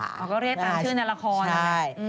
ก็เรียกต่างชื่อนายละคร